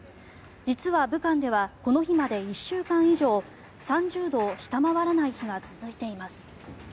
実は武漢ではこの日まで１週間以上３０度を下回らない日が続いています。